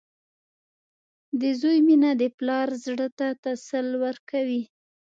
• د زوی مینه د پلار زړۀ ته تسل ورکوي.